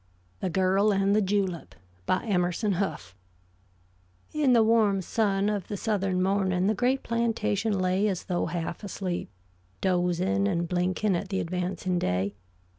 THE GIRL AND THE JULEP BY EMERSON HOUGH In the warm sun of the southern morning the great plantation lay as though half asleep, dozing and blinking at the advancing day.